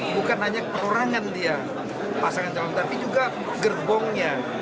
bukan hanya perorangan dia pasangan calon tapi juga gerbongnya